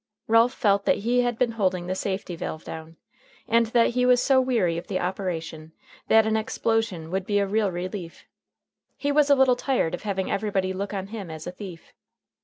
Ralph felt that he had been holding the safety valve down, and that he was so weary of the operation that an explosion would be a real relief. He was a little tired of having everybody look on him as a thief.